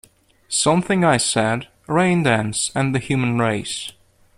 "Something I Said", "Raindance" and "The Human Race".